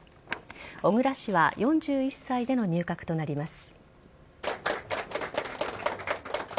小倉氏は４１歳での入閣となります。